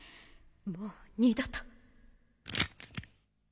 もう二度と。